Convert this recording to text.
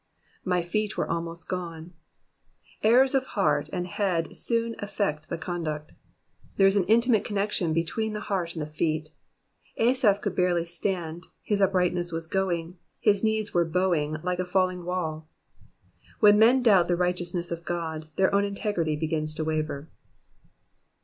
''''My feet were almost gone.^* Errors of heart and head soon affect the conduct. There is an intimate connection between the heart and the feet. Asaph could barely stand, his uprightness was going, his knees were bowing like a falling wall. When men doubt the righteousness of Ood, their own integrity begins to waver.